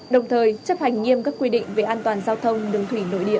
đồng thời chấp hành nghiêm các quy định về an toàn giao thông đường thủy nội địa